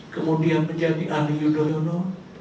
kemudian menjadi ani yudhoyono